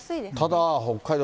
ただ北海道、